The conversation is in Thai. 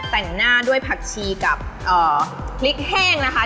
แต่งหน้าด้วยผักชีกับพริกแห้งนะคะ